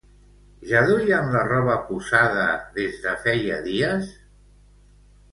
Ja duien la roba posada des de feia dies?